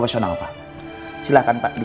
halo al udah selesai belum